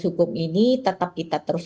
hukum ini tetap kita terus